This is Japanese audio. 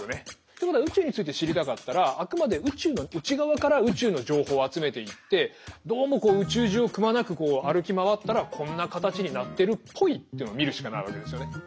ってことは宇宙について知りたかったらあくまで宇宙の内側から宇宙の情報を集めていってどうも宇宙中をくまなく歩き回ったらこんな形になってるっぽいというのを見るしかないわけですよね。